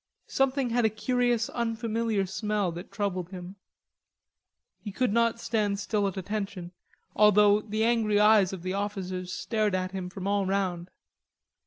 Something had a curious unfamiliar smell that troubled him. He could not stand still at attention, although the angry eyes of officers stared at him from all round.